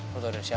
lo tau dia siapa